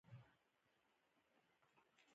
لیونۍ میني یې ماته شعور راکړی